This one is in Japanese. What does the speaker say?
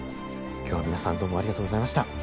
今日は皆さんどうもありがとうございました。